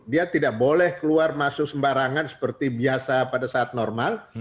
dia tidak boleh keluar masuk sembarangan seperti biasa pada saat normal